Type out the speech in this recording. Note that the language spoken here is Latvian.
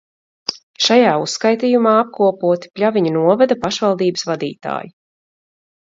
Šajā uzskaitījumā apkopoti Pļaviņu novada pašvaldības vadītāji.